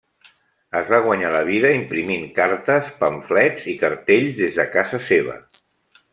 Es va guanyar la vida imprimint cartes, pamflets i cartells des de casa seva.